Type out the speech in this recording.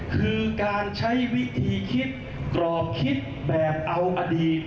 คือการใช้วิธีคิดกรอกคิดแบบเอาอดีต